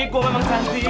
gue emang cantik